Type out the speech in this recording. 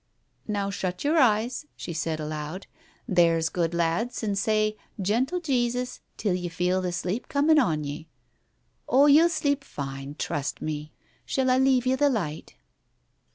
... Now shut your eyes," she said aloud, "there's good lads, and say 4 Gentle Jesus ' till ye feel the sleep coming on ye. Oh, ye'll sleep fine, trust me. Shall I leave ye the light?"